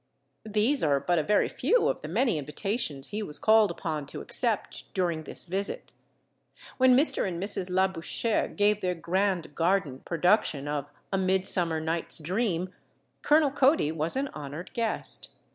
These are but a very few of the many invitations he was called upon to accept during this visit. When Mr. and Mrs. Labouchere gave their grand garden production of "A Midsummer Night's Dream" Colonel Cody was an honored guest.